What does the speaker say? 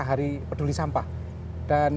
hari peduli sampah dan